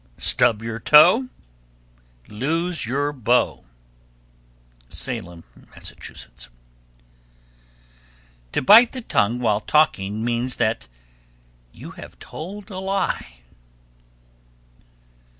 Stub your toe, Lose your beau. Salem, Mass. 1331. To bite the tongue while talking means that you have told a lie.